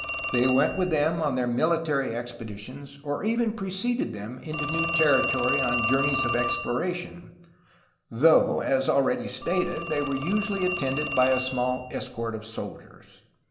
They went with them on their mili tary expeditions or even preceded them into new territory on journeys of exploration, though, as already stated, they were usually attended by a small escort of soldiers.